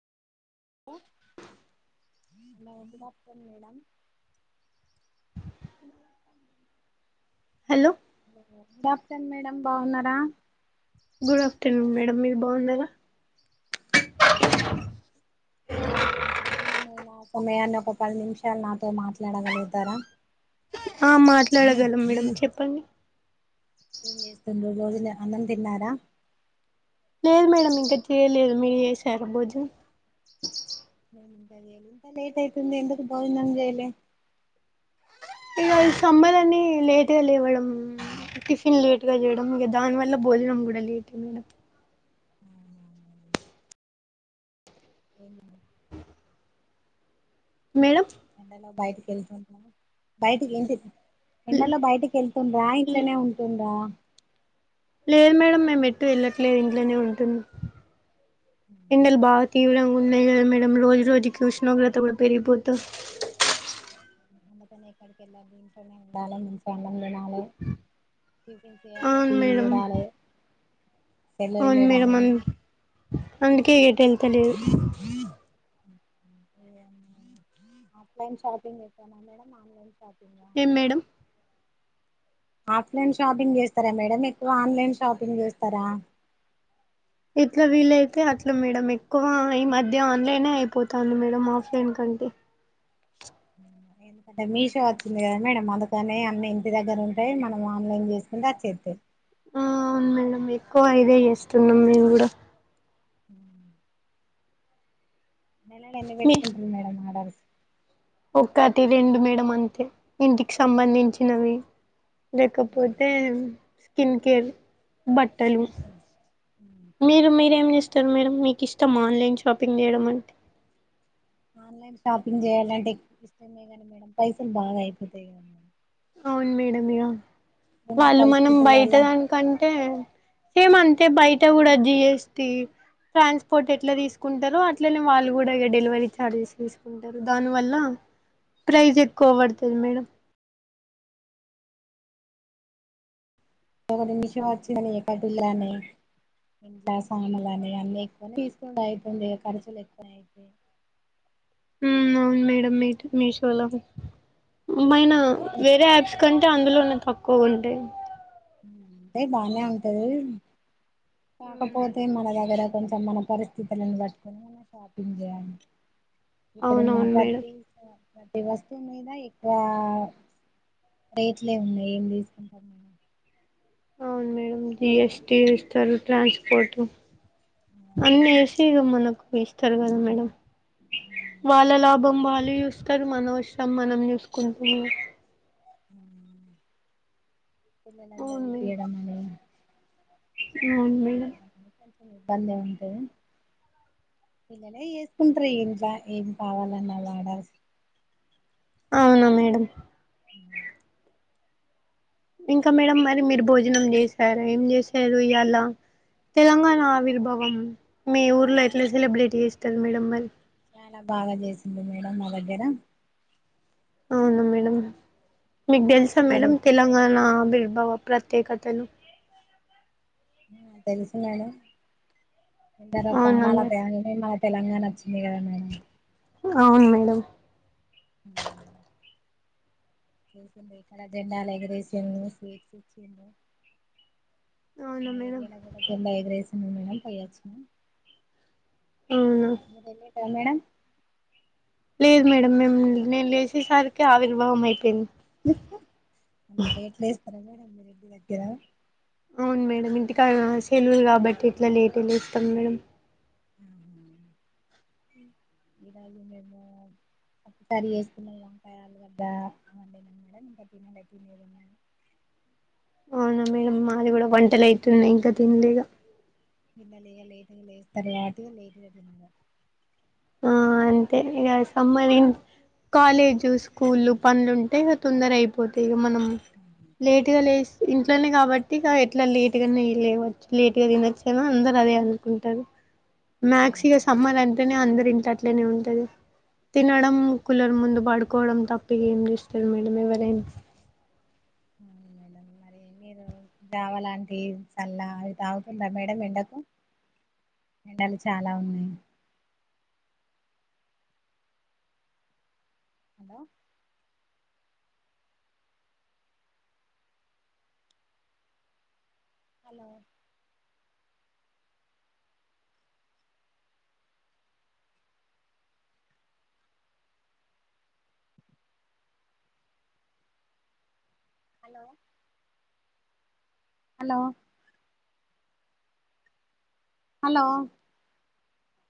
hello good after madam hello good after madam బాగున్నరా good afternoon madam మీరు బాగున్నారా మీ అమూల్యమైన సమయాన్ని ఒక పది నిమిషాలు నాతో మాట్లాడగలుగుతారా ఆ మాట్లాడగలం మేడమ్ చెప్పండి ఏం చేస్తుండ్రు రోజు లో అన్నం తిన్నారా లేదు మేడం ఇంకా చేయలేదు మీరు చేసారా భోజనం ఇంత లేట్ అయితుంది ఎందుకు భోజనం చేయలే ఇగ ఇది సమ్మర్ అని లేట్ గా లేవడం టిఫిన్ లేట్ గా చేయడం ఇక దాని వల్ల భో భోజనం కూడా లేటే మేడం ఏమైంది మేడం ఎండలో బయటికి వెళ్తున్నార బయటికి ఇంటి ఎండలో బయటికి వెళ్తుండ్రా ఇంట్లనే ఉంటుండ్రా లేదు మేడం మేము ఎటు వెళ్ళట్లేదు ఇంట్లనే ఉంటున్నాం ఎండలు బాగా తీవ్రంగా ఉన్నయి కదా మేడం రోజు రోజుకి ఉష్ణోగ్రత కూడా పెరిగిపోతు అందుకని ఎక్కడికి ఎళ్లోద్దు ఇంట్లనే ఉండాలే ఇంత అన్నం తినాలే టిఫిన్ చేయాలె అవును టివి మేడం చూడాలె సెల్లు అవును మేడం అ చూడాలే అందుకే ఎటు ఎల్తలేదు ఆఫ్లైన్ షాపింగ్ చేసారా మేడం ఆన్లైన్ షాపింగా ఏం మేడం ఆఫ్లైన్ షాపింగ్ చేస్తరా మేడం ఎక్కువ ఆన్లైన్ షాపింగ్ చేస్తరా ఎట్ల వీలైతే అట్ల మేడం ఎక్కువ ఈ మధ్య ఆన్లైనే అయిపోతాంది మేడం ఆఫ్లైన్ కం టే ఎందుకంటే మీషో వచ్చింది కదా మేడం అందుకనే అన్నీ ఇంటి దగ్గర ఉంటయి మనం ఆన్లైన్ చేసుకుంటే అచ్చేస్తయి ఆ అవును మేడం ఎక్కువ ఇదే చేస్తున్నాం మేము కూడా హూ నెలల ఎన్ని వెట్టుకుంటరు మేడమ్ ఆర్డర్స్ ఒకటి రెండు మేడం అంతే ఇంటికి సంబంధించినవి లేకపోతే స్కిన్ కేర్ బట్ బట్టలు మీరు మీరేం చేస్ తరు మేడం మీకు ఇష్టమా ఆన్లైన్ షాపింగ్ చేయడం అంటే ఆన్లైన్ షాపింగ్ చేయాలంటే ఇష్టమే కానీ మేడం పైసలు బాగా అయిపోతయి కదా అవును మేడం ఇగ ఉన్న వాళ్ళు మనం బయట పరిస్థితులల్ల దానికంటే సేమ్ అం తే బయట కూడ జీఎస్టీ ట్రాన్స్పోర్ట్ ఎట్ల తీసుకుంటరో అట్లనే వాళ్ళు కూడా ఇగా డెలివరీ చార్జెస్ తీసుకుంటరు దానివల్ల ప్రైజ్ ఎక్కువ పడుతది మేడం ఒకటి మిషో వచ్చిందని ఎప్పటి లానే ఇంట్ల సాములనీ అన్నీ ఎక్కువనే తీసుకుండు అయితుంది ఇగా ఖర్చులు ఎక్కువ అయితాయి మ్ అవును మేడం మీట్ మీషోలో ఏమైనా పైసలు వేరే యాప్స్ కంటే అందులోనే తక్కువ ఉంటయి అంటే బానే ఉంటది అవును మేడం కాకపోతే మన దగ్గర కొంచెం మన పరిస్థితులను పట్టుకొని మనం షాపింగ్ చేయాలి ఇప్పుడున్న అవునవును మేడం ప్రతి ప్రతి వస్తువు మీద ఎక్కువ రేట్లే ఉన్నాయి ఏం తీసుకుంటం అవును మేడం జిఎస్టి ఇస్తారు ట్రాన్స్పోర్ట్ అవన్నీ అన్ని ఎక్కువే యేషి ఇగా మనకు ఇస్తారు కదా మేడం వాళ్ళ లాభం వాళ్ళు చూస్తరు మనవసరం మనం చూసుకుంటము పిల్లలను అవును మేడం చదిపియడం అవును షాపింగ్ మేడం చేయడం అ కొంచెం ఇబ్బందే ఉంటది పిల్లలే చేసుకుంటరు ఇగా ఇంట్లో ఏం కావాలన్నా వాడాల్సి అవునా మేడం అ ఇంకా మేడం మరి మీరు భోజనం చేసారు ఏం చేసారు ఇయాలా తెలంగాణ ఆవిర్భావం మీ ఊర్లో ఎట్లా సెలబ్రేట్ చేస్తారు మేడం మరి చాలా బాగా చేసింది మేడం మా దగ్గర అవున మేడం మీకు తెలుసా అందరూ మేడం తెలంగాణ ఆవిర్ ర్భావ ప్రత్యేకతలు తెలుసు మేడం ఎందరో అవునా ప్రాణాల మేడం [unintelligible] తెలంగాణ వచ్చింది కదా మేడం అవును మేడం హ చేసింది ఇక్కడ జెండాలు ఎగర వేసిళ్లు స్వీట్స్ ఇచ్చిళ్లు అవునా మా మేడం ఏరియాలో కూడా జెండా ఎగరేసిళ్ళు మేడం పోయి వచ్చినం అవునా మీరేళ్లిళ్ల మేడం లేదు మేడం మేము నేను లేసేసరికి ఆవిర్భవం అయిపోయింది అంత లేట్ లేస్తారా మేడం మీరు ఇంటి దగ్గర అవును మేడం ఇంటికాడా సెలవులు కాబట్టి ఇట్లా లేట్ గా లేస్తాం మేడం ఆ [unintelligible] ఒక్కసారి [unintelligible] వంకాయ ఆలుగడ్డ వండిన మేడం [unintelligible] అవునా మేడం మాది కూడా వంటలు అవుతున్నాయి ఇంకా తినలేదు [unintelligible] ఆ అంతే ఇగా సమ్మర్ కాలేజు స్కూళ్లు పనులుంటే తొందర అయిపోతాయి ఇగా మనం లేటుగా లేస్ ఇంట్లోనే కాబట్టి ఇగా ఎట్లా లేటుగానే లేవచ్చు లేటుగా తినొచ్చు కదా అందరు అదే అనుకుంటారు మ్యాక్స్ ఇగా సమ్మర్ అంటేనే అందరి ఇంట్ల అట్లనే ఉంటది తినడం కూలర్ ముందు పడుకోవడం తప్ప ఇగా ఏం చేస్తారు మేడం ఎవరైనా మేడం మరి మీరు జావ లాంటి చల్ల అవి తాగుతుర్ర మేడం ఎండకు ఎండలు చాలా ఉన్నాయి hello hello hello hello hello